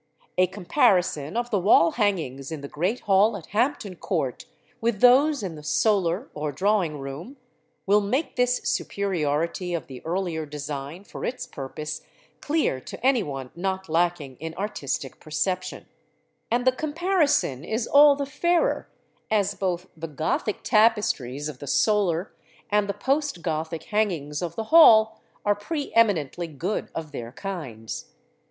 A comparison of the wall hangings in the Great Hall at Hampton Court with those in the Solar or Drawing room, will make this superiority of the earlier design for its purpose clear to any one not lacking in artistic perception: and the comparison is all the fairer, as both the Gothic tapestries of the Solar and the post Gothic hangings of the Hall are pre eminently good of their kinds.